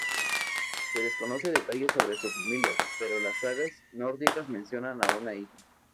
Se desconoce detalles sobre su familia, pero las sagas nórdicas mencionan a una hija.